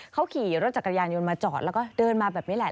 เขาขี่รถจักรยานยนต์มาจอดแล้วก็เดินมาแบบนี้แหละ